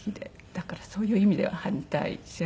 だからそういう意味では反対正反対ですね。